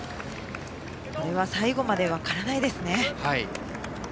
これは最後まで分からないですね。